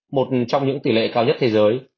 một trong những tỷ lệ cao nhất thế giới